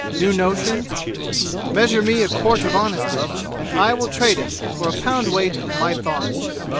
New Notions? Measure me a quart of honesty, And I will trade it for a pound weight of my thoughts.